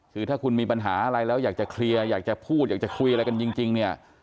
คือถ้าคุณมีปัญหาอะไรแล้วอยากจะเคลียร์อยากจะพูดอยากจะคุยอะไรกันจริงเนี่ย